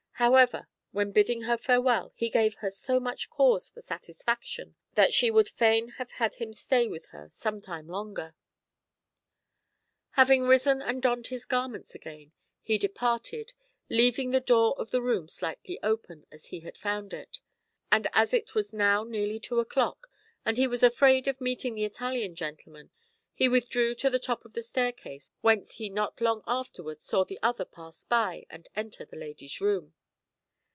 However, when bidding her farewell, he gave her so much cause for satisfaction that she would fain have had him stay with her some time longer. SECOND <DAT: TALE XW. 151 Having risen and donned his garments again, he departed, leaving the door of the room slightly open, as he had found it. And as it was now nearly two o'clock, and he was afraid of meeting the Italian gentleman, he withdrew to the top of the staircase, whence he not long afterwards saw the other pass by and enter the lady's room.